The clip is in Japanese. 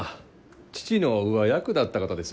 父の上役だった方です。